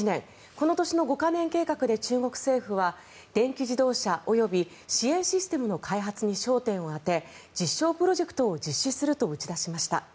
この年の五カ年計画で中国政府は、電気自動車及び支援システムの開発に焦点を当て実証プロジェクトを実施すると打ち出しました。